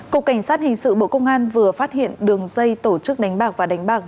cục cảnh sát hình sự bộ công an vừa phát hiện đường dây tổ chức đánh bạc và đánh bạc